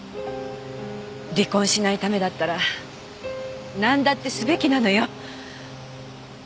離婚しないためだったらなんだってすべきなのよ。